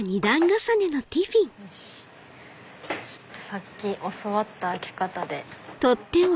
さっき教わった開け方で。